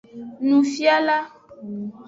Nufiala.